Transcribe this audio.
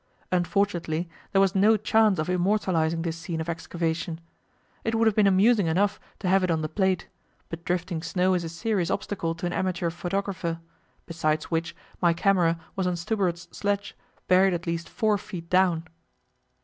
Unfortunately there was no chance of immortalizing this scene of excavation. It would have been amusing enough to have it on the plate; but drifting snow is a serious obstacle to an amateur photographer besides which, my camera was on Stubberud's sledge, buried at least four feet down.